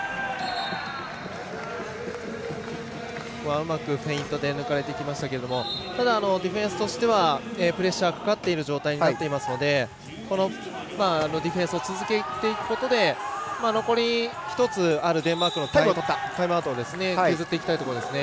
うまくフェイントで抜かれていきましたけどただ、ディフェンスとしてはプレッシャーかかっている状態になっていますのでディフェンスを続けていくことで残り１つデンマークのタイムアウトをとらせたいところですね。